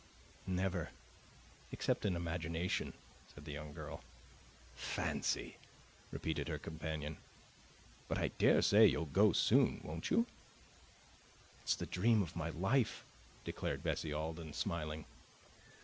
"Never except in imagination," said the young girl. "Fancy!" repeated her companion. "But I daresay you'll go soon, won't you?" "It's the dream of my life!" declared Bessie Alden, smiling.